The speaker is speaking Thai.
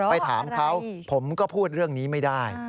ไปถามเขาผมก็พูดเรื่องนี้ไม่ได้